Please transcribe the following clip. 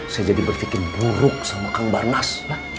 saya jadi berpikir buruk sama kang barnas